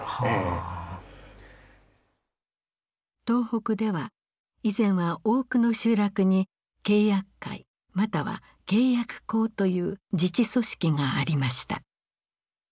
東北では以前は多くの集落に契約会または契約講という自治組織がありました。